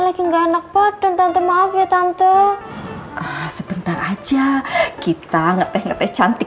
lagi nggak enak badan tanto maaf ya tante sebentar aja kita ngeteh ngeteh cantik